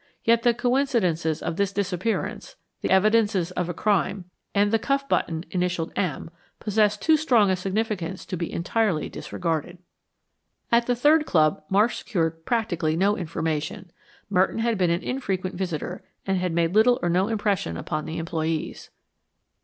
Yet the coincidences of this disappearance, the evidences of a crime, and the cuff button initialed "M," possessed too strong a significance to be entirely disregarded. At the third club Marsh secured practically no information. Merton had been an infrequent visitor and had made little or no impression upon the employees.